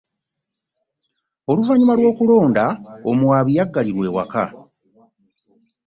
Oluvannyuma lw'okulonda, omuwaabi yaggalirwa ewaka